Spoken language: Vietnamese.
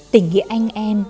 tình nghĩa anh em